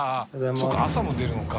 そうか朝も出るのか。